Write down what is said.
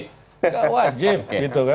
enggak wajib gitu kan